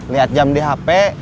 liat jam di hp